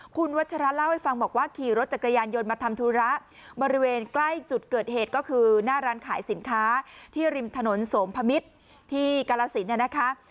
คุณวัชระเล่าให้ฟังบอกว่าขี่รถจักรยานยนต์มาทำธุระบริเวณใกล้จุดเกิดเหตุก็คือหน้าร้านขายสินค้าที่ริมถนนโสมพมิตรที่กาลสินเนี่ยนะคะ